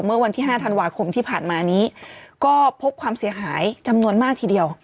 เมื่อวันที่๕ธันวาคมที่ผ่านมานี้ก็พบความเสียหายจำนวนมากทีเดียว